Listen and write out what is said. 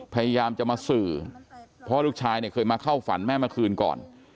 พยายามจะมาสื่อเพราะลูกชายเนี่ยเคยมาเข้าฝันแม่เมื่อคืนก่อน